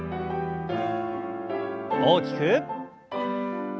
大きく。